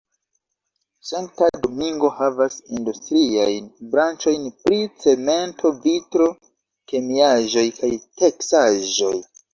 Sankta Domingo havas industriajn branĉojn pri cemento, vitro, kemiaĵoj kaj teksaĵoj.